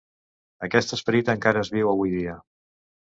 Aquest esperit encara és viu avui dia.